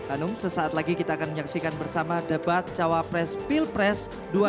anum sesaat lagi kita akan menyaksikan bersama debat cawapres pilpres dua ribu sembilan belas